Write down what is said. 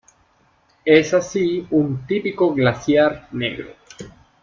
Es así un típico glaciar negro.